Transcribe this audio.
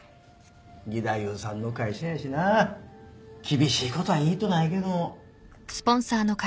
義太夫さんの会社やしな厳しいことは言いとないけど。